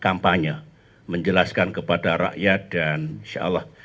kampanye menjelaskan kepada rakyat dan insyaallah